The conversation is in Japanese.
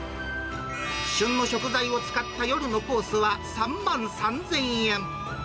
旬の食材を使った夜のコースは３万３０００円。